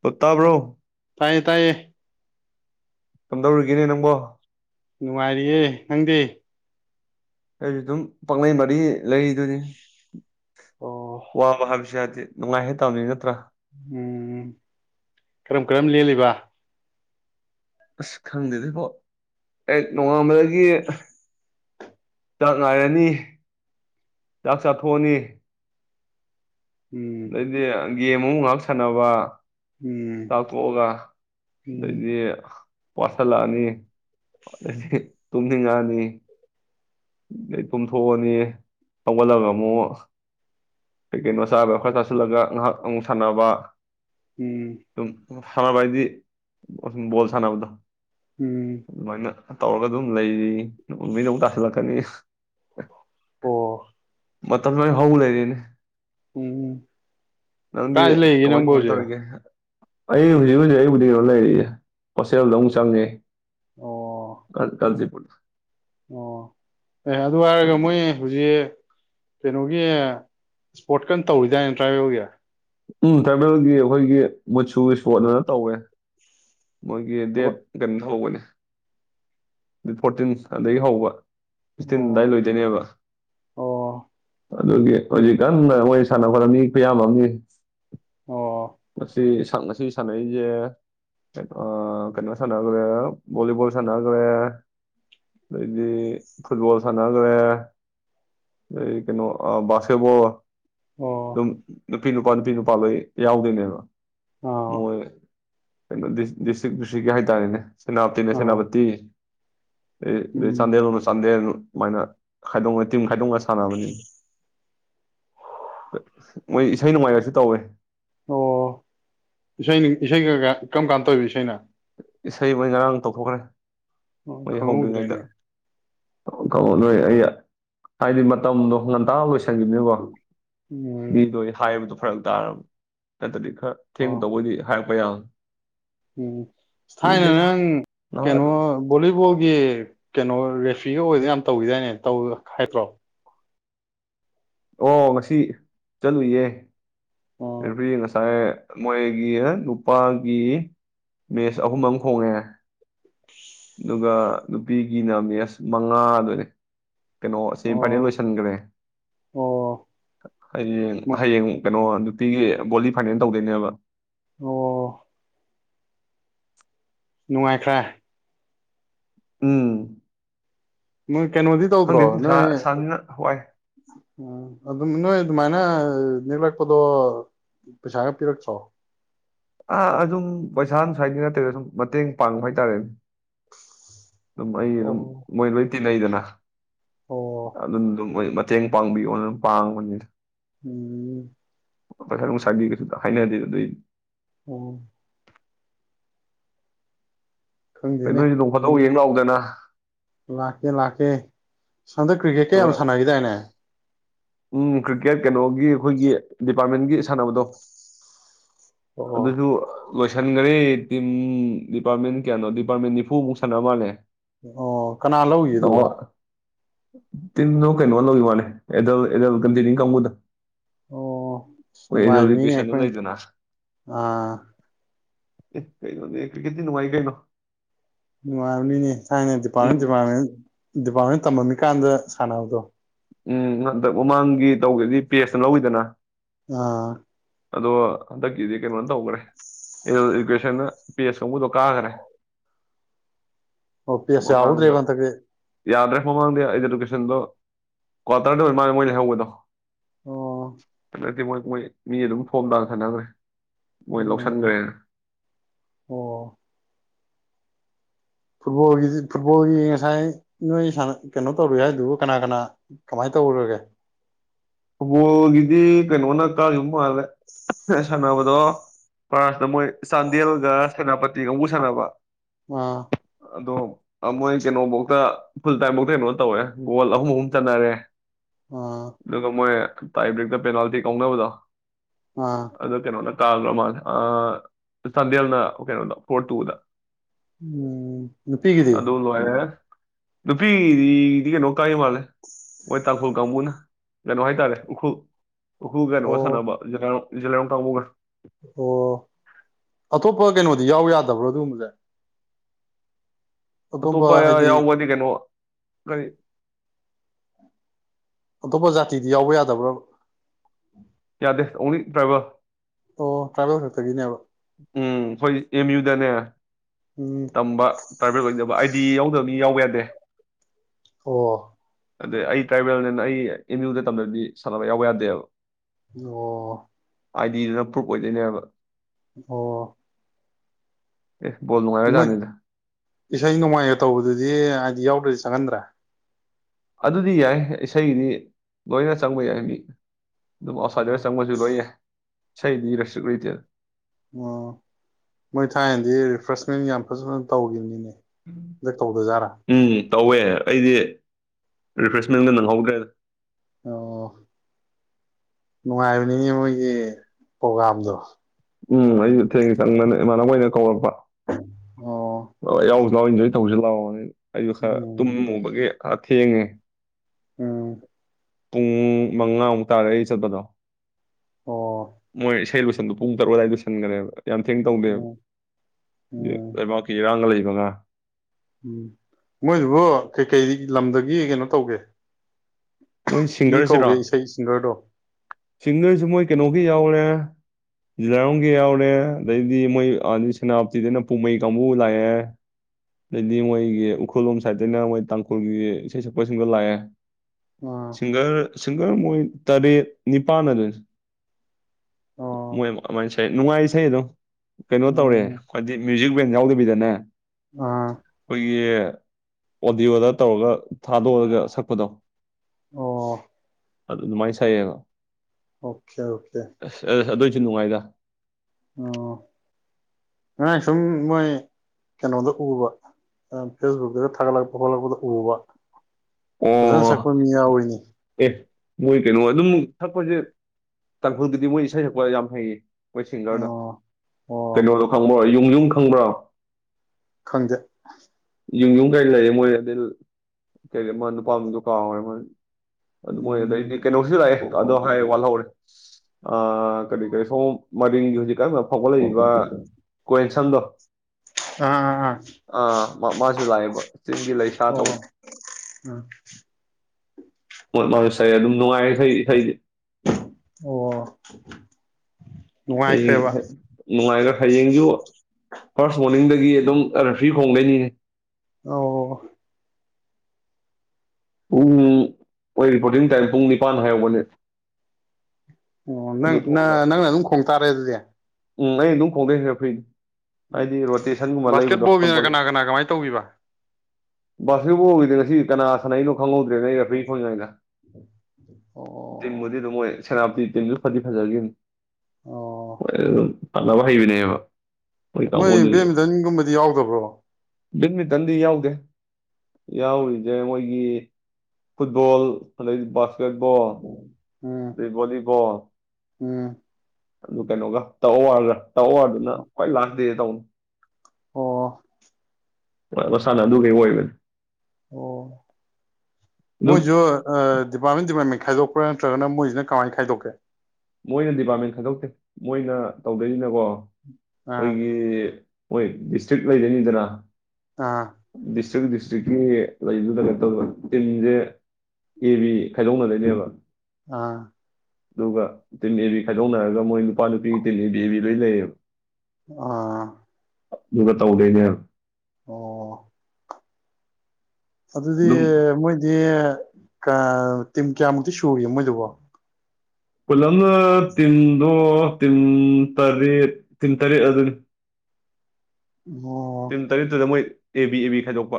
ꯄꯨꯠꯇꯕ꯭ꯔꯣ꯫ ꯇꯥꯏꯌꯦ ꯇꯌꯦ꯫ ꯀꯝꯗꯧꯔꯤꯒꯦꯅꯦ ꯅꯪꯕꯣ꯫ ꯅꯨꯡꯉꯥꯏꯔꯤꯌꯦ ꯅꯪꯗꯤ꯫ ꯑꯩꯁꯨ ꯑꯗꯨꯝ ꯄꯥꯛꯅꯩ ꯃꯔꯤ ꯂꯩꯔꯤꯗꯨꯅꯤ꯫ ꯑꯣ ꯋꯥꯕ ꯍꯥꯏꯕꯁꯨ꯫ ꯅꯨꯡꯉꯥꯏꯍꯥꯏ ꯇꯥꯝꯅꯤ ꯅꯠꯇ꯭ꯔꯥ꯫ ꯎꯝ ꯀꯔꯝ ꯀꯔꯝ ꯂꯦꯜꯂꯤꯕ꯫ ꯑꯁ ꯈꯪꯗꯦꯗ ꯏꯕꫭ ꯍ‌ꯦꯛ ꯅꫭꯡꯉꯥꯟꯕꯗꯒꯤ꯫ ꯒꯤ꯫ ꯆꯥꯛ ꯉꯥꯏꯔꯅꯤ ꯆꯥꯛ ꯆꯥꯊꯣꯛꯑꯅꯤ꯫ ꯎꯝ꯫ ꯑꯗꯩꯗꯤ ꯒꯦꯝ ꯑꯃꯨꯛ ꯉꯥꯏꯍꯥꯛ ꯁꯥꯟꯅꯕ꯫ ꯎꯝ ꯆꯥꯛꯇꫭꯛ ꯑꯒ ꯎꯝ ꯑꯗꯩꯗꯤ꯫ ꯋꯥꯁꯤꯜꯂꯛꯑꯅꯤꯗꯩꯗꯤ ꯇꯨꯝꯅꯤꯡꯉꯛꯑꯅꯤ ꯑꯗꯩ ꯇꯨꯝꯊꯣꯛꯑꯅꯤ ꯇꯧꯒꯜꯂꯒ ꯑꯃꯨꯛ꯫ ꯀꯩ ꯀꯩꯅꯣ ꯆꯥꯕ ꯈꯔ ꯆꯥꯁꯤꯜꯂꯒ ꯉꯥꯏꯍꯥꯛ ꯑꯃꯨꯛ ꯁꯥꯟꯅꯕ꯫ ꯎꯝ꯫ ꯁꯅꯕꯥꯏꯗꯤ ꯕꯣꯜ ꯁꯅꯕꯨꯗ꯫ ꯎꯝ꯫ ꯇꯧꯔꯒ ꯑꯗꯨꯝ ꯂꯩꯔꯤ꯫ ꯅꯨꯃꯤꯠ ꯑꯃꯨꯛ ꯇꯥꯁꯤꯜ ꯂꯥꯛꯀꯅꯤ꯫ [inaudible] ꯑꯣ ꯃꯥꯇꯝ ꯂꯣꯏ ꯍꯧ ꯂꯩꯔꯦꯅꯦ꯫ ꯎꯝ ꯅꯥꯡꯗꯤ ꯀꯥꯏ ꯂꯩꯔꯤꯒꯦ ꯀꯃꯥꯏ- ꯅꯪꯕꯨ ꯀꯃꯥꯏ ꯍꯧꯖꯤꯛ ꯇꯧꯔꯤꯒꯦ? ꯑꯩ ꯍꯧꯖꯤꯛ - ꯍꯧꯖꯤꯛ ꯑꯩꯕꯨꯗꯤꯡ ꯂꯩꯔꯏꯦ ꯍꯣꯁꯇꯦꯜꯗꯣ ꯑꯃꯨꯛ ꯆꯪꯉꯦ꯫ ꯑꯣ ꯀ ꯀꯥꯟꯆꯤꯄꯨꯔ꯫ ꯑꯣ꯫ ꯑꯦ ꯑꯗꯨ ꯍꯥꯏꯔꯒ ꯅꯪꯗꯤ ꯃꯣꯏ ꯍꯤꯖꯤꯛ ꯀꯩꯅꯣꯒꯤ ꯏꯁꯄꯣꯔꯠ ꯀꯟꯅ ꯇꯧꯔꯤꯗꯥꯏꯅꯦ ꯇ꯭ꯔꯥꯏꯕꯦꯜꯒꯤ꯫ ꯎꯝ ꯇ꯭ꯔꯥꯏꯕꯦꯜꯒꯤ ꯑꯩꯈꯣꯏꯒꯤ ꯃꯨꯁꯨ ꯏꯁꯄꯣꯠ ꯑꯅ ꯇꯧꯋꯦ꯫ ꯃꯣꯏꯒꯤ ꯗꯦꯠ ꯀꯕ ꯀꯩꯅ ꯍꯧꯕꯅꯦ꯫ ꯑꯗꯨ ꯐꯣꯔꯇꯤꯟ ꯑꯗꯨꯗꯒꯤ ꯍꯧꯕ꯫ ꯏꯁꯇꯤꯟ ꯑꯗꯨꯗꯥꯏ ꯑꯣ ꯂꯣꯏꯗꯣꯏꯅꯦꯕ ꯑꯣ ꯑꯗꯨꯒꯤ ꯍꯧꯖꯤꯛꯀꯥꯟꯅ ꯃꯣꯏ ꯁꯥꯟꯅ ꯈꯣꯠ ꯃꯤ ꯈꯨꯌꯝ ꯑꯃꯅꯤ꯫ ꯑꯣ ꯃꯁꯤ ꯁꯛꯉꯥ ꯁꯤ ꯁꯥꯟꯅꯩꯖꯦ ꯀꯩꯅꯣ ꯁꯥꯟꯅꯈ꯭ꯔꯦ ꯚꯣꯂꯤꯕꯣꯜ ꯁꯥꯟꯅꯈ꯭ꯔꯦ, ꯑꯗꯩꯗꯤ ꯐꯨꯠꯕꯣꯜ ꯁꯥꯟꯅꯈ꯭ꯔꯦ ꯑꯗꯩ ꯀꯩꯅꯣ ꯕꯥꯁꯀꯦꯠꯕꯣꯜ꯫ ꯑꯣ [unintelligible] ꯅꯨꯄꯤ- ꯅꯨꯄꯥ ꯅꯨꯄꯤ-ꯅꯨꯄꯥ ꯂꯣꯏ ꯌꯥꯎꯗꯣꯏꯅꯦꯕ꯫ ꯑꯥ ꯃꯣꯏ ꯀꯩꯅꯣꯗꯤ ꯗꯤꯁꯇ꯭ꯔꯤꯛ - ꯗꯤꯁꯇ꯭ꯔꯤꯛꯀꯤ ꯍꯥꯏꯇꯥꯔꯦꯅꯦ꯫ ꯁꯦꯅꯥꯄꯇꯤꯅꯦ ꯑꯥ ꯁꯦꯅꯥꯄꯇꯤ꯫ ꯎꯝ ꯆꯟꯗꯦꯜꯅ ꯆꯥꯟꯗꯦꯜ ꯫ ꯁꯃꯥꯏꯅ ꯈꯥꯏꯗꯣꯛꯅ ꯇꯤꯝ ꯥꯈꯥꯏꯗꯣꯛꯅꯔꯥ ꯁꯥꯟꯕꯅꯤ꯫ ꯃꯣꯏ ꯏꯁꯩ ꯅꯨꯡꯉꯥꯏꯒꯁꯨ ꯇꯧꯋꯦ꯫ ꯑꯣ ꯏꯁꯩ ꯏꯁꯩ ꯀꯔꯝ ꯀꯥꯟ ꯇꯧꯕ ꯏꯁꯩꯅ? ꯏꯁꯩ ꯃꯣꯏ ꯉꯔꯥꯡ ꯇꯧꯊꯣꯛꯈ꯭ꯔꯦ꯫ ꯑꯣ ꯈꯡꯍꯧꯗ꯭ꯔꯦꯅꯦ꯫ ꯀꯩꯅꯣ ꯅꯣꯏ ꯑꯩ ꯍꯥꯏꯗꯤ ꯃꯇꯝꯗꯣ ꯉꯟꯇꯥ ꯂꯣꯏꯁꯤꯟꯈꯤꯕꯅꯦꯀꯣ꯫ ꯎꯝ ꯃꯤꯗꯣ ꯍꯦ ꯍꯥꯏꯕꯗꯣ꯫ ꯐꯔꯛ ꯇꯥꯔꯕ ꯅꯠꯇꯗꯤ ꯈꯔ ꯊꯦꯡꯅ ꯑꯣ ꯇꯧꯕꯩꯅꯤ ꯍꯥꯏ [unintelligible] ꯎꯝ ꯁꯥꯏꯅ ꯅꯪ ꯀꯩꯅꯣ ꯅꯍꯥꯟ ꯣꯂꯤꯕꯣꯜ ꯒꯤ ꯀꯩꯅꯣ ꯔꯦꯐꯤꯒ ꯑꯣꯏꯗꯅ ꯌꯥꯝ ꯇꯧꯋꯗꯥꯏꯅꯦ ꯇꯧ ꯍꯥꯏꯠꯇ꯭ꯔꯣ ꯑꯣ ꯉꯁꯤ ꯆꯠꯂꯨꯌꯦꯦ ꯑꯣ ꯐꯔꯕꯤ ꯉꯁꯥꯏ ꯃꯣꯏꯒꯤ ꯅꯨꯄꯥꯒꯤ ꯃꯦꯁ ꯑꯍꯨꯝ ꯑꯃ ꯈꯣꯡꯉꯦ ꯑꯗꯨꯒ ꯅꯨꯄꯤꯒꯤꯅ ꯃꯦꯁ ꯃꯉꯥ ꯑꯗꯨꯅꯦ ꯀꯩꯅꯣ ꯑꯁꯤꯦ ꯐꯥꯏꯅꯦꯜ ꯑꯣ ꯂꯣꯏꯁꯟꯈ꯭ꯔꯦ ꯑꯣ ꯍꯌꯦꯡ ꯍꯌꯦꯡ ꯀꯩꯅꯣ ꯅꯨꯄꯤꯒꯤ ꯕꯣꯂꯤ ꯐꯥꯏꯅꯦꯜ ꯇꯧꯗꯣꯏꯅꯦꯕ ꯑꯣ ꯅꯨꯡꯉꯥꯏꯈ꯭ꯔꯦ ꯎꯝ ꯃꯣꯏ ꯀꯩꯅꯣꯗꯤ ꯇꯧꯗ꯭ꯔꯣ ꯈꯪꯗꯦ ꯅꯣꯏ ꯅꯨꯡꯁꯥ ꯁꯥꯕꯅꯤꯅ ꯋꯥꯏ ꯎꯝ ꯑꯗꯨꯝ ꯅꯣꯏ ꯑꯗꯨꯃꯥꯏꯅ ꯅꯦꯛꯂꯛꯄꯗꯣ ꯄꯩꯁꯥꯒ ꯄꯤꯔꯛꯇ꯭ꯔꯣ ꯑꯥ ꯑꯗꯨꯝ ꯄꯩꯁꯥ ꯅꯨꯡ ꯁꯋꯥꯏꯗꯤ ꯅꯠꯇꯦꯗ ꯁꯨꯝ ꯃꯇꯦꯡ ꯄꯥꯡꯕ ꯍꯥꯏꯇꯥꯔꯦ ꯑꯗꯨꯝ ꯑꯩ ꯑꯣ ꯑꯗꯨꯝ ꯃꯣꯏ ꯂꯣꯏ ꯇꯤꯤꯟꯩꯗꯅ ꯑꯣ ꯑꯗꯨ ꯃꯇꯦꯡ ꯄꯥꯡꯕꯤꯌꯣꯅꯝ ꯄꯥꯡꯕꯅꯤꯗ ꯎꯝ ꯄꯩꯁꯥ ꯅꯨꯡꯁꯥꯒꯤ ꯀꯩꯁꯨꯗ ꯍꯥꯏꯅꯗꯦ ꯑꯗꯨꯗꯏꯗꯤ ꯎꯝ ꯈꯪꯗꯦꯅꯦ ꯅꯣꯏꯁꯨ ꯅꯣꯡ ꯐꯥꯗꯣꯛ ꯑꯩ ꯌꯦꯡ ꯂꯥꯎꯗꯅ ꯂꯥꯛꯀꯦ ꯂꯥꯛꯀꯦ ꯍꯟꯗꯛ ꯀ꯭ꯔꯤꯀꯦꯠꯀ ꯌꯥꯝ ꯑꯗꯨꯒ ꯁꯥꯟꯅꯈꯤꯗꯥꯏꯅꯦ ꯎꯝ ꯀ꯭ꯔꯤꯀꯦꯠ ꯀꯩꯅꯣꯒꯤ ꯑꯩꯈꯣꯏꯒꯤ ꯗꯤꯄꯥꯔꯠꯃꯦꯟꯒꯤ ꯁꯥꯟꯅꯕꯗꯣ ꯑꯣ ꯑꯗꯨꯁꯨ ꯂꯣꯏꯁꯟꯈꯔꯦ ꯇꯤꯝ ꯗꯤꯄꯥꯔꯠꯃꯦꯟ ꯀꯌꯥꯅꯣ ꯗꯤꯄꯥꯔꯠꯃꯦꯟ ꯅꯤꯐꯨꯃꯨꯛ ꯁꯥꯟꯅ ꯃꯥꯜꯂꯦ ꯑꯣ ꯀꯅꯥ ꯂꯧꯈꯤꯒꯦ ꯑꯗꯨꯕꯣ ꯇꯤꯜ ꯂꯣ ꯀꯩꯅꯣ ꯋꯥꯜꯂꯣ ꯋꯥꯅꯦ ꯑꯦꯗꯦꯂ [unintelligible] ꯑꯣ ꯑ ꯅꯨꯡꯉꯥꯏꯕꯅꯤꯅꯦ ꯑꯩꯈꯣꯏ ꯂꯩꯗꯅ ꯑꯥ ꯑꯦ ꯀꯩꯅꯣꯅꯦ ꯀ꯭ꯔꯤꯀꯦꯠꯇꯤ ꯅꯨꯡꯉꯥꯏ ꯀꯩꯅꯣ ꯅꯨꯡꯉꯥꯏꯕꯅꯤꯅꯦ ꯊꯥꯏꯅ ꯎꯝ ꯗꯤꯄꯥꯔꯠꯃꯦꯟ ꯗꯤꯄꯥꯔꯠꯃꯦꯟ ꯗꯤꯄꯥꯔꯠꯃꯦꯟ ꯇꯝꯃꯃꯤꯀꯥꯟꯗ ꯁꯥꯟꯅꯕꯗꯣ ꯎꯝ ꯍꯟꯗꯛ ꯃꯃꯥꯡꯒꯤ ꯇꯧꯒꯗꯤ ꯄꯦꯁꯇ ꯂꯧꯋꯤꯗꯅ ꯑꯥ ꯑꯗꯣ ꯍꯟꯗꯛꯀꯤꯗꯤ ꯀꯩꯅꯣ ꯇꯧꯒ꯭ꯔꯦ ꯏꯜ ꯏꯒ꯭ꯋꯦꯁ [unintelligible] ꯊꯦꯅ ꯄꯦꯁ ꯀꯥꯡꯒꯨꯗꯣ ꯀꯥꯒꯔꯦ ꯑꯣ ꯄꯦꯁ ꯌꯥꯍꯧꯗ꯭ꯔꯦꯕ ꯍꯟꯗꯛꯇꯤ ꯌꯥꯗ꯭ꯔꯦ ꯃꯃꯥꯡꯗ ꯑ ꯑꯗꯨꯀꯦꯁꯟꯗꯣ ꯀ꯭ꯋꯥꯇꯔꯗ ꯑꯣꯏ ꯃꯥꯜꯂꯦ ꯃꯣꯏ ꯂꯩꯍꯧꯕꯗꯣ ꯑꯣ ꯗꯛꯇꯤ ꯃꯣꯏ ꯃꯣꯏ ꯃꯤ ꯑꯗꯨꯝ ꯐꯣꯝ ꯂꯥꯡꯁꯟꯅꯈꯒ꯭ꯔꯦ ꯃꯣꯏ ꯎꯝ ꯂꯧꯁꯤꯟꯗ꯭ꯔꯦꯅ ꯑꯣ ꯐꯨꯠꯕꯣꯜꯒꯤꯖꯤ ꯐꯨꯠꯕꯣꯜꯒꯤ ꯉꯁꯥꯏ ꯅꯣꯏ ꯁꯥꯟꯅ ꯀꯩꯅꯣ ꯇꯧꯔꯨꯏ ꯍꯥꯏꯗꯨꯕꯨ ꯀꯅꯥ ꯀꯅꯥ ꯀꯃꯥꯏꯅ ꯇꯧꯒ꯭ꯔꯒꯦ ꯐꯨꯠꯕꯣꯜꯒꯤꯗꯤ ꯀꯩꯅꯣꯅ ꯀꯥꯒꯤꯕ ꯃꯥꯜꯂꯦ ꯉꯁꯥꯏ ꯁꯥꯟꯅꯕꯗꯣ ꯐꯥꯁ ꯇ ꯃꯣꯏ ꯆꯥꯟꯗꯦꯜꯒ ꯁꯦꯅꯥꯄꯇꯤ ꯀꯥꯡꯒꯨ ꯁꯥꯟꯅꯕ ꯑꯥ ꯑꯗꯣ ꯃꯣꯏ ꯀꯩꯅꯣꯐꯧꯗ ꯐꯨꯜ ꯇꯥꯏꯝꯐꯧꯗ ꯀꯩꯅꯣ ꯇꯧꯋꯦ ꯒꯣꯜ ꯑꯍꯨꯝ ꯑꯍꯨꯝ ꯆꯟꯅꯔꯦ ꯑꯥ ꯑꯗꯨꯒ ꯃꯣꯏ ꯇꯥꯏ ꯕ꯭ꯔꯦꯛꯇ ꯄꯦꯅꯥꯜꯇꯤ ꯀꯥꯎꯅꯕꯗꯣ ꯑꯥ ꯑꯗ ꯀꯩꯅꯣꯗ ꯀꯥꯒ꯭ꯔ ꯃꯥꯜꯂꯦ ꯑ ꯆꯥꯟꯗꯦꯜꯅ ꯀꯩꯅꯣꯗꯣ ꯐꯣ꯭ꯔ ꯇꯨꯗ ꯎꯝ ꯅꯨꯄꯤꯒꯤꯗꯤ ꯅꯨꯄꯤꯗꯤ ꯀꯩꯅꯣ ꯀꯥꯈꯤ ꯃꯥꯜꯂꯦ ꯃꯣꯏ ꯇꯥꯡꯈꯨꯜ ꯀꯥꯡꯕꯨꯅ ꯀꯩꯅꯣ ꯍꯥꯏꯇꯥꯔꯦ ꯎꯈꯨꯜ ꯎꯈꯨꯜꯒ ꯀꯩꯅꯣꯒ ꯑꯣ ꯁꯥꯟꯅꯕ ꯖꯦꯅꯥꯂꯣꯡ ꯖꯦꯂꯤꯌꯥꯡꯔꯣꯡ ꯀꯥꯡꯒꯨꯒ ꯑꯣ ꯑꯇꯣꯞꯄ ꯀꯩꯅꯣꯗꯤ ꯌꯥꯎ ꯌꯥꯗꯕ꯭ꯔꯣ ꯑꯗꯨꯒꯨꯝꯕꯁꯦ ꯑꯇꯣꯞꯄ ꯍꯥꯏꯗꯤ ꯌꯌꯥꯎꯕꯗꯤ ꯀꯩꯅꯣ ꯂꯩ ꯑꯇꯣꯞꯄ ꯖꯥꯇꯤꯗꯤ ꯌꯥꯎꯕ ꯌꯥꯗꯕ꯭ꯔꯕ ꯗꯦ ꯑꯣꯡꯂꯤ ꯇ꯭ꯔꯥꯏꯕꯦꯜ ꯑꯣ ꯇ꯭ꯔꯥꯏꯕꯦꯜ ꯈꯛꯇꯒꯤꯅꯦꯕ ꯎꯝ ꯑꯩꯈꯣꯏ ꯑꯦꯝ ꯌꯨꯗꯅꯦ ꯎꯝ ꯇꯝꯕ ꯇ꯭ꯔꯥꯏꯕꯦꯜ ꯑꯣꯏꯗꯣꯏꯕ ꯑꯥꯏꯗꯤ ꯌꯥꯎꯗꯕ ꯃꯤ ꯌꯥꯎꯕ ꯌꯥꯗꯦ ꯑꯣ ꯑꯗꯩ ꯑꯩ ꯇ꯭ꯔꯥꯏꯕꯦꯜꯅꯦꯅ ꯑꯩ ꯑꯦꯝ ꯌꯨꯗ ꯇꯝꯗꯗꯤ ꯁꯥꯟꯅꯕ ꯌꯥꯎꯕ ꯌꯥꯗꯦꯕ ꯑꯣ ꯑꯥꯏꯗꯤꯗꯨꯅ ꯄ꯭ꯔꯨꯨꯞ ꯑꯣꯏꯗꯣꯏꯅꯦꯕ ꯑꯣ ꯑꯦ ꯕꯣꯜ ꯃꯣꯏ ꯅꯨꯡꯉꯥꯏꯔꯀꯥꯟꯅꯤꯗ ꯏꯁꯩ ꯅꯣꯡꯃꯥꯏꯒ ꯇꯧꯕꯗꯨꯗꯤ ꯑꯥꯏꯗꯤ ꯌꯥꯎꯗ꯭ꯔꯗꯤ ꯆꯪꯍꯟꯗ꯭ꯔꯦ ꯑꯗꯨꯗꯤ ꯌꯥꯏ ꯏꯁꯩꯒꯤꯗꯤ ꯂꯣꯏꯅ ꯆꯪꯕ ꯌꯥꯏ ꯃꯤ ꯑꯗꯨꯝ ꯑꯥꯎꯁꯥꯏꯗꯔ ꯑꯣ ꯆꯪꯕꯁꯨ ꯂꯣꯏ ꯌꯥꯏ ꯏꯁꯩꯗꯤ ꯔꯦꯁꯇ꯭ꯔꯤꯛ ꯂꯩꯇꯦꯗ ꯎꯝ ꯃꯣꯏ ꯊꯥꯏꯅꯗꯤ ꯔꯤꯐ꯭ꯔꯦꯁꯃꯦꯟ ꯌꯥꯝ ꯐꯖꯅ ꯇꯧꯈꯤꯕꯅꯤꯅꯦ ꯍꯟꯗꯛ ꯇꯧꯗꯖꯥꯔꯥ ꯎꯝ ꯇꯧꯋꯦ ꯑꯩꯗꯤ ꯔꯤꯐ꯭ꯔꯦꯁꯃꯦꯟꯒ ꯅꯪꯍꯧꯗ꯭ꯔꯦ ꯑꯣ ꯅꯨꯡꯉꯥꯏꯕꯅꯤꯅꯦ ꯃꯣꯏꯒꯤ ꯄ꯭ꯔꯣꯒꯥ꯭ꯔꯥꯝꯗꯣ ꯎꯝ ꯑꯩꯁꯨ ꯊꯦꯡꯉꯦ ꯆꯪꯗꯅ ꯏꯃꯥꯟꯅꯕꯣꯏꯅ ꯀꯧꯔꯛꯄ ꯑꯣ ꯌꯥ ꯁꯅꯥ ꯇꯧꯁꯨ ꯂꯥꯎꯑꯣ ꯑꯩꯁꯨ ꯈꯔ ꯎꯝ ꯇꯨꯝꯃꯨꯕꯒꯤ ꯀꯥ ꯊ ꯌꯦꯉꯦ ꯎꯝ ꯄꯨꯡ ꯃꯉꯥꯃꯨꯛ ꯇꯥꯔꯦ ꯑꯩ ꯆꯠꯄꯗꯣ ꯑꯣ ꯃꯣꯏ ꯆꯥꯏ ꯂ ꯄꯨꯡ ꯇꯔꯨꯛ ꯑꯗꯨꯏꯗꯣꯏꯟꯒꯅꯦꯕ ꯌꯥꯝ ꯊꯦꯡ ꯇꯧꯗꯦꯕ ꯎꯝ ꯎꯝ ꯂꯩꯕꯥꯛꯀꯤ ꯏꯔꯥꯡ ꯂꯩ ꯀꯪꯂꯉꯥ ꯎꯝ ꯃꯣꯏꯗꯨꯕꯨ ꯀꯩꯀꯩ ꯂꯝꯗꯒꯤ ꯀꯩꯅꯣ ꯇꯧꯒꯦ ꯃꯣꯏ ꯃꯤ ꯁꯤꯡꯒꯔꯁꯤꯔ ꯀꯧꯒꯦ ꯏꯁꯩ ꯁꯤꯡꯒꯔꯗꯣ ꯁꯤꯡꯒꯔꯁꯤ ꯃꯣꯏ ꯀꯩꯅꯣ ꯌꯥꯎꯔꯦ ꯖꯤꯂꯥꯏꯔꯣꯝꯒꯤ ꯌꯥꯎꯔꯦ ꯑꯗꯩꯗꯤ ꯃꯣꯏ ꯑꯩ ꯁꯦꯅꯥꯄꯇꯤꯗꯅ ꯄꯃꯩ ꯀꯥꯡꯕꯨ ꯂꯥꯛꯑꯦ ꯑꯗꯩꯗꯤ ꯃꯣꯏꯒꯤ ꯎꯈ꯭ꯔꯨꯜꯂꯣꯝ ꯁꯥꯏꯠꯇꯩꯅ ꯃꯣꯏ ꯇꯥꯡꯈꯨꯜꯒꯤ ꯏꯁꯩ ꯁꯛꯄ ꯁꯤꯡꯒ ꯂꯥꯛꯑꯦ ꯑ ꯁꯤꯡꯒꯔ ꯁꯤꯡꯒꯔ ꯃꯣꯏ ꯇꯔꯦꯠ ꯅꯤꯄꯥꯟ ꯑꯗꯨ ꯑꯣ ꯃꯣꯏ ꯑꯗꯨꯃꯥꯏꯅ ꯁ ꯅꯨꯡꯉꯥꯏ ꯏꯁꯩ ꯑꯗꯨꯝ ꯀꯩꯅꯣ ꯇꯧꯔꯦ ꯎꯝ ꯍꯥꯏꯗꯤ ꯃ꯭ꯌꯨꯖꯤꯛ ꯕꯦꯟ ꯌꯥꯎꯗꯕꯤꯗꯅꯦ ꯑꯥ ꯑꯩꯈꯣꯏꯒꯤ ꯑꯣꯗꯤꯑꯣꯣꯗ ꯇꯧꯔꯒ ꯊꯥꯗꯣꯛꯑꯒ ꯁꯛꯄꯗꯣ ꯑꯣ ꯑꯗꯨ ꯑꯗꯨꯃꯥꯏꯅ ꯁꯛꯑꯕ ꯑꯣꯀꯦ ꯑꯣꯀꯦ ꯁꯤ ꯅꯨꯡꯉꯥꯏꯗ ꯑꯣ ꯉꯔꯥꯡ ꯁꯨꯝ ꯃꯣꯏ ꯀꯩꯅꯣꯗ ꯎꯕ ꯐꯦꯁꯕꯨꯛꯇꯒ ꯊꯥꯒꯠꯂꯛꯄ ꯈꯠꯂꯛꯄꯗ ꯎꯕ ꯐꯖꯅ ꯑꯣ ꯁꯛꯄ ꯃꯤ ꯌꯥꯎꯔꯤꯅꯤ ꯑꯦ ꯃꯣꯏ ꯀꯩꯅꯣ ꯑꯗꯨꯝ ꯁꯛꯄꯁꯦ ꯇꯥꯡꯈꯨꯜꯗꯗꯤ ꯃꯣꯏ ꯏꯁꯩ ꯁꯛꯄ ꯌꯥꯝ ꯍꯩꯌꯦ ꯃꯣꯏ ꯁꯤꯡꯒꯔꯗ ꯑꯣ ꯑꯣ ꯀꯩꯅꯣꯗꯣ ꯈꯪꯕ ꯑꯣꯏꯣꯏ ꯌꯨꯝ ꯌꯨꯝ ꯈꯪꯕ꯭ꯔꯥ ꯈꯪꯗꯦ ꯌꯨꯝ ꯌꯨꯝ ꯀꯩ ꯂꯩꯔꯦ ꯃꯣꯏ ꯑꯗꯨ ꯆ ꯃꯥꯅ ꯄꯥꯝ ꯗꯨꯀꯥꯦ ꯃꯥ ꯑꯗꯨ ꯃꯣꯏ ꯎꯝ ꯑꯗꯏꯅꯦ ꯀꯩꯅꯣꯁꯨ ꯂꯥꯛꯑꯦ ꯑꯗꯣ ꯍꯥꯏ ꯋꯥꯠꯍꯧꯔꯦ ꯑ ꯀꯔꯤ ꯀꯔꯤ ꯁꯣ ꯃꯔꯤꯒꯨ ꯍꯧꯖꯤ ꯀꯥꯏ ꯁꯛꯂꯦ ꯀ ꯀꯣꯏ ꯊꯪꯝꯕꯣ ꯑꯥ ꯑꯥ ꯑꯥ ꯑꯥ ꯃꯥꯁꯨ ꯂꯥꯛꯑꯦꯕ ꯆꯤꯡꯒꯤ ꯂꯩꯁꯥ ꯇꯧꯅꯤ ꯑ ꯃꯥꯁꯥꯏ ꯑꯗꯨꯝ ꯅꯨꯡꯉꯥꯏ ꯁ ꯁꯩꯗꯤ ꯎꯝ ꯑꯣ ꯍꯌꯦꯡ ꯅꯨꯡꯉꯥꯏꯈ꯭ꯔꯦꯕ ꯅꯨꯡꯉꯥꯏꯈ ꯍꯌꯦꯡꯁꯨ ꯐꯥꯔꯁ ꯃꯣꯔꯅꯤꯡꯗꯒꯤ ꯑꯗꯨꯝ ꯔꯦꯐ꯭ꯔꯤ ꯈꯣꯡꯗꯩꯅꯤꯅꯦ ꯑꯣ ꯄꯨꯡ ꯑꯩꯣꯏ ꯔꯤꯄꯣꯔꯇꯤꯡ ꯇꯥꯏꯝ ꯄꯨꯡ ꯅꯤꯄꯥꯟ ꯍꯥꯏꯍꯧꯕꯅꯦ ꯑꯣ ꯑꯗꯨ ꯅꯪ ꯊꯣꯛꯑꯒ ꯅꯪꯅ ꯑꯗꯨꯝ ꯈꯣꯡ [inaudible] ꯎꯝ ꯑꯩ ꯑꯗꯨꯝ ꯐꯣꯡꯗꯩꯁꯤꯦ ꯐꯨꯏꯅꯦ ꯎꯝ ꯕꯥꯁꯀꯦꯠꯕꯣꯜꯒꯤꯅ ꯕꯣꯂꯤ ꯀꯅꯥ ꯀꯅꯥ ꯀꯃꯥꯏꯅ ꯇꯧꯕꯕ ꯁꯕꯨꯗꯅ ꯉꯁꯤ ꯀꯩꯅꯅꯥꯁꯅꯥ ꯂ ꯐꯪꯍꯧꯗ꯭ꯔꯦ ꯅ ꯔꯐ ꯐꯪꯉꯉꯩꯗ ꯇꯤꯝꯕꯨꯗꯤ ꯑꯣ ꯑꯗꯨꯝ ꯃꯣꯏ ꯁꯦꯅꯥꯇꯤ ꯇꯤꯝꯁꯨ ꯐꯗꯤ ꯐꯖꯒꯦ ꯑꯣ ꯄꯂꯕꯥꯏꯕꯤꯅꯦ ꯃꯣꯏ ꯕꯦꯠꯃꯤꯟꯇꯟꯒꯨꯝꯕꯗꯤ ꯌꯥꯎꯗꯕ꯭ꯔꯣ ꯕꯦꯠꯃꯤꯟꯇꯟꯗꯤ ꯌꯥꯎꯗꯦ ꯌꯥꯎꯔꯤꯁꯦ ꯃꯣꯏꯒꯤ ꯐꯨꯠꯕꯣꯜ ꯑꯗꯩꯕꯥ ꯐꯦꯠꯕꯜ ꯎꯝ ꯑꯩꯕꯣꯕꯣ ꯎꯝ ꯑꯗꯨ ꯀꯩꯅꯣꯒ ꯇꯛꯑꯣ ꯋꯥꯒ ꯇꯧꯑꯣ ꯑꯗꯨꯅ ꯍ꯭ꯣꯏ ꯂꯥꯁ ꯗꯦꯗ ꯇꯧ ꯑꯣ ꯃꯁꯥꯂ ꯑꯗꯨꯗꯨ ꯀꯩ ꯑꯣꯏꯣꯏꯕ ꯑꯣ ꯑꯗꯨ ꯃꯁꯨꯄꯥꯄꯥꯃꯦ ꯈꯥꯏꯗꯣꯛꯄ꯭ꯔꯥ ꯅꯠꯇ꯭ꯔꯒꯅ ꯃꯣꯏꯁꯤꯅ ꯀꯃꯥꯏꯅ ꯈꯥꯏꯗꯣꯛꯀꯦ ꯃꯣꯏꯅ ꯗꯤꯄꯥꯔꯠꯃꯦꯟ ꯈꯟꯗꯣꯛꯇꯦ ꯃꯣꯏꯅ ꯇꯧꯗꯣꯏꯅꯤꯅꯀꯣ ꯑꯥ ꯑꯩꯈꯣꯏꯒꯤ ꯃꯣꯏ ꯗꯤꯁꯇ꯭ꯔꯤꯛ ꯂꯩꯖꯅꯤꯗꯅ ꯑꯥ ꯗꯤꯁꯇ꯭ꯔꯤꯛ ꯗꯤꯁꯇ꯭ꯔꯤꯛꯀꯤ ꯂꯩꯗꯨꯗ ꯀ ꯇꯧꯕ ꯇꯤꯝꯁꯦ ꯑꯦ ꯕꯤ ꯈꯥꯏꯗꯣꯛꯅꯗꯣꯏꯅꯦꯕ ꯑꯥ ꯑꯗꯨꯒꯒ ꯇꯤꯟ ꯑꯦꯕꯤ ꯈꯥꯏꯗꯣꯛꯅꯔꯒ ꯃꯣꯏ ꯅꯨꯄꯥ ꯅꯨꯄꯤꯒꯤ ꯇꯤꯟ ꯑꯦ ꯕꯤ ꯑꯦꯕꯤ ꯂꯣꯏ ꯂꯩꯌꯦꯕ ꯑꯥ ꯑꯗꯨꯒ ꯇꯧꯗꯣꯏꯅꯦ ꯑꯣ ꯑꯗꯨꯗꯤ ꯑꯗꯨꯝ ꯃꯣꯏꯗꯤ ꯇꯤ ꯀꯌꯥꯃꯨꯛꯇ ꯁꯨꯔ ꯌꯦ ꯃꯣꯏꯗꯨꯕꯣ ꯄꯂꯅ ꯇꯤꯟ ꯅꯣ ꯇꯤꯟ ꯇꯔꯦꯠ ꯇꯤꯟ ꯇꯔꯦꯠ ꯑꯗꯨꯅꯤ ꯑꯣ ꯇꯤꯟ ꯇꯔꯗꯨ꯭ꯔꯗ ꯃꯣꯏ ꯑꯦ ꯕꯤ ꯑꯦ ꯕꯤ ꯈꯥꯏꯗꯣꯛꯄ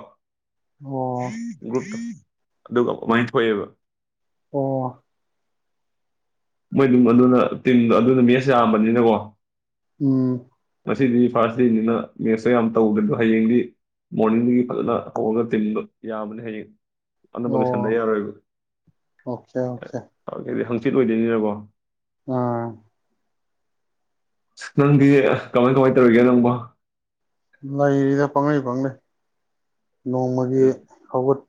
ꯑꯣ ꯒ꯭ꯔꯨꯞꯇ ꯑꯗꯨꯒ ꯒꯃꯥꯏꯅ ꯊꯣꯛꯑꯦꯕ ꯑꯣ ꯃꯣꯏ ꯑꯗꯨꯝ ꯑꯗꯨꯅ ꯇꯤꯝꯗꯣ ꯑꯗꯨꯅ ꯃꯦꯠꯁ ꯌꯥꯝꯕꯅꯤꯅꯀꯣ ꯎꯝ ꯃꯁꯤꯗꯤ ꯐꯥꯔꯁ ꯗꯦꯅꯤꯅ ꯃꯦꯠꯁꯇ ꯌꯥꯝ ꯇꯧꯗ꯭ꯔꯗꯣ ꯍꯌꯦꯡꯗꯤ ꯃꯣꯔꯅꯤꯡꯗꯒꯤ ꯐꯖꯅ ꯍꯧꯔꯒ ꯇꯤꯟꯕ ꯌꯥꯝꯕꯅ ꯍꯌꯦꯡ ꯑꯗꯨꯝꯕ ꯂꯣꯏꯁꯟꯗ ꯑꯣ ꯌꯥꯔꯣꯏꯕꯗꯤ ꯑꯣꯀꯦ ꯑꯣꯀꯦ [inaudible] ꯅꯤ ꯂꯕꯣ ꯑꯥ ꯅꯪꯗꯤ ꯀꯃꯥꯏ ꯀꯃꯥꯏ ꯇꯧꯔꯤꯒꯦ ꯅꯪꯕ ꯂꯩꯔꯤꯗ ꯐꯪꯉꯩ ꯐꯪꯗꯩ ꯅꯣꯡꯃꯒꯤ ꯍꯧꯒꯠ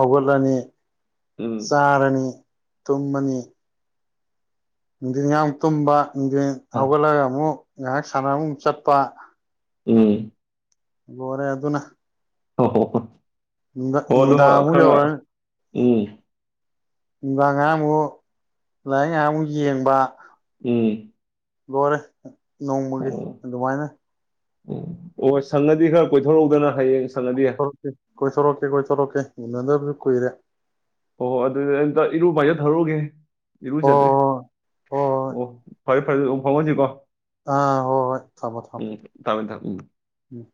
ꯑꯒꯔꯂꯅꯤ ꯎꯝ ꯁꯥꯔꯅꯤ ꯇꯨꯝꯃꯅꯤ ꯗꯤꯤꯟꯒꯥꯡ ꯇꯨꯝꯕ ꯑꯥ ꯑꯂꯒ ꯑꯃꯨ ꯉꯥꯏꯍꯥꯛ ꯁꯥꯟ ꯆꯠꯄ ꯎꯝ ꯂꯣꯏꯔꯦ ꯑꯗꯨꯅ ꯍ ꯍꯣ ꯍꯣ ꯅꯨꯡꯗꯥ ꯅꯨꯡꯗꯥꯡ ꯑꯃꯨꯛ ꯌꯧꯔꯛꯅꯤ ꯏ ꯅꯨꯪꯗꯥꯡ ꯉꯥꯏꯍꯥꯛ ꯑꯃꯨꯛ ꯂꯥꯏꯔꯤꯛ ꯉꯥ ꯑꯃꯨꯛ ꯌꯦꯡꯕ ꯎꯝ ꯂꯣꯏꯔꯦ ꯅꯣꯡꯃꯒꯤ ꯑꯣ ꯑꯗꯨꯃꯥꯏꯅ ꯎꯝ ꯑꯣ ꯁꯪꯉꯗꯤ ꯈꯔ ꯀꯣꯏꯊꯣꯔꯎꯗꯅ ꯀꯣꯏꯊꯣꯔꯛꯀꯦ ꯀꯣꯏꯊꯔꯛꯀꯦ ꯀꯣꯏꯊꯔꯛꯀꯦ ꯎꯟꯅꯗꯖ ꯀꯏꯔꯦ ꯍꯣꯏ ꯍꯣꯏ ꯑꯗꯨꯗꯤ ꯑꯝꯇ ꯏꯔꯨ ꯄ ꯍꯥꯏꯖꯠ ꯊꯧꯔꯨꯒꯦ ꯏꯔꯨꯖꯗꯔ꯭ꯤ ꯍꯣꯏ ꯍꯣꯏ ꯍꯣꯏ ꯍꯣꯏ ꯍꯣꯏ ꯑꯣ ꯐꯔꯦ ꯐꯔꯦ ꯑꯗꯨꯝ ꯐꯥꯎꯍꯟꯁꯤꯀꯣ ꯑꯥ ꯍꯣꯏ ꯍꯣꯏ ꯊꯃꯣ ꯊꯝ ꯊꯝꯃꯦ ꯊꯝꯃꯦ ꯎꯝ ꯎꯝ